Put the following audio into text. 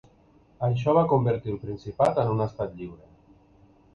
Això va convertir el Principat en un estat lliure.